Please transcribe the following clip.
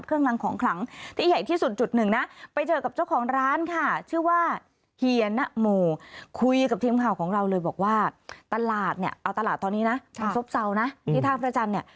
เอาตลาดตอนนี้นะทางซ่อมเซานะทางพระจันทร์